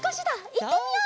いってみよう！